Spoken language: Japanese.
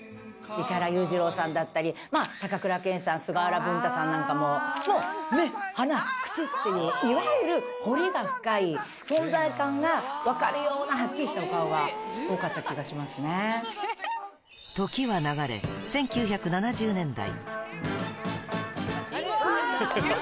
石原裕次郎さんだったり、高倉健さん、菅原文太さんなんかも、もう目、鼻、口っていう、いわゆる彫りが深い、存在感が分かるようなはっきりしたお顔が多時は流れ、１９７０年代。